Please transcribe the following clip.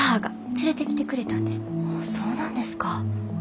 そうなんですか。